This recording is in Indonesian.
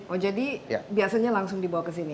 oh jadi biasanya langsung dibawa ke sini